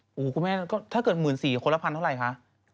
โอ้โหคุณแม่ก็ถ้าเกิด๑๔๐๐คนละพันเท่าไหร่คะ